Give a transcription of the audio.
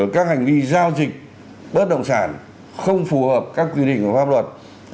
các hành vi giao dịch bất động sản không phù hợp các quy định của pháp luật